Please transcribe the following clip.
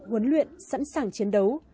huấn luyện sẵn sàng chiến đấu